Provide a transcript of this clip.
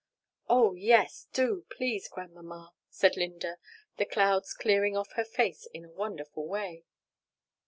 "Oh, yes, do please, Grandmamma," said Linda, the clouds clearing off her face in a wonderful way.